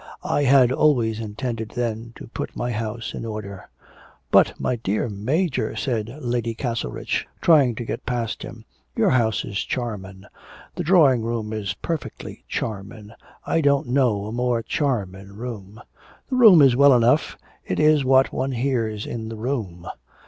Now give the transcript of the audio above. I had always intended then to put my house in order.' 'But, my dear Major,' said Lady Castlerich, trying to get past him, 'your house is charmin', the drawing room is perfectly charmin', I don't know a more charmin' room.' 'The room is well enough, it is what one hears in the room.'